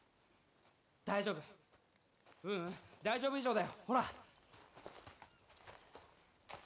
大丈夫ううん大丈夫以上だよほら